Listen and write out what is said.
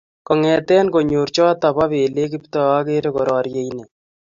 kongeten konyor choto bo lelek Kiptooo akere korarie ine